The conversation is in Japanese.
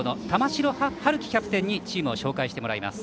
城陽希キャプテンにチームを紹介してもらいます。